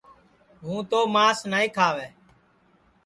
ہُوں تو مانٚس نائیں کھاوے